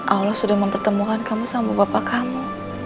allah sudah mempertemukan kamu sama bapak kamu